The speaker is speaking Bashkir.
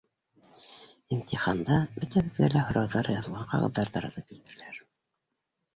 Имтиханда бөтәбеҙгә лә һорауҙар яҙылған ҡағыҙҙар таратып бирҙеләр.